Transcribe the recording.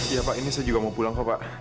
iya pak ini saya juga mau pulang kok pak